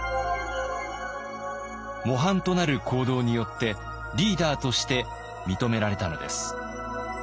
模範となる行動によってリーダーとして認められたのです。